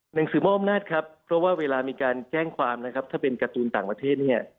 หนังสือมอบอำนาจครับเพราะว่าเวลามีการแจ้งความนะครับถ้าเป็นการ์ตูนต่างประเทศเนี่ย